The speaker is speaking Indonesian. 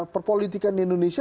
perpolitikan di indonesia